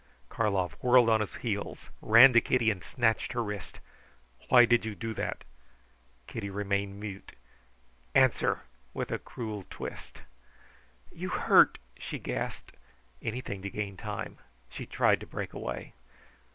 Karlov whirled on his heels, ran to Kitty, and snatched her wrist. "Why did you do that?" Kitty remained mute. "Answer!" with a cruel twist. "You hurt!" she gasped. Anything to gain time. She tried to break away.